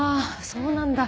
そうなんだ。